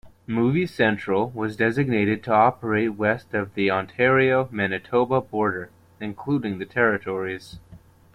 Movie Central was designated to operate west of the Ontario-Manitoba border, including the territories.